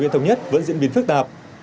huyện thống nhất vẫn diễn biến phức tạp